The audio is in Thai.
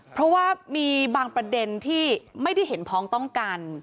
เพราะว่ามีบางประเด็นที่ไม่ได้เห็นพ้องต้องกัน